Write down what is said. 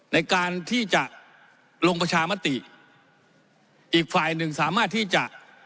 ในการที่จะลงประชามติอีกฝ่ายหนึ่งสามารถที่จะ